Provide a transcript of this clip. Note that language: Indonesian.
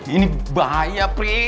ini bahaya prince